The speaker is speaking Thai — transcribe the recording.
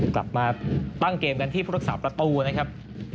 กลับมาตั้งเกมกันที่พุทธศาสตร์ประตูนะครับ